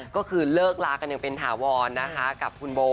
ก็คือเลิกลากันอย่างเป็นถาวรนะคะกับคุณโบ